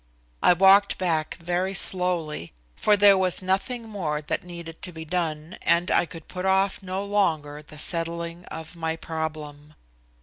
I walked back very slowly, for there was nothing more that needed to be done, and I could put off no longer the settling of my problem.